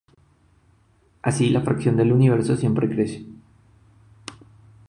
Así, la fracción del universo observada siempre crece.